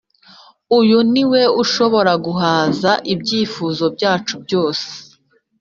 uyu ni we ushobora guhaza ibyifuzo byacu byose